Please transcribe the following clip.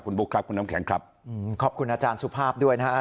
คุณบุ๊คครับคุณน้ำแข็งครับขอบคุณอาจารย์สุภาพด้วยนะฮะ